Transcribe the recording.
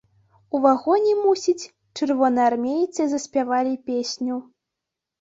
У вагоне, мусіць, чырвонаармейцы заспявалі песню.